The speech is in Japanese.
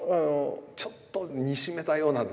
ちょっと煮しめたようなですね。